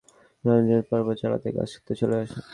রনির বাবা মকবুল ফজরের নামাজের পরপরই চাতালে কাজ করতে চলে যান।